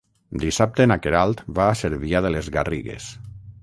Dissabte na Queralt va a Cervià de les Garrigues.